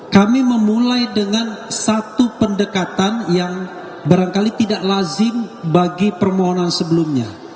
kami memulai dengan satu pendekatan yang barangkali tidak lazim bagi permohonan sebelumnya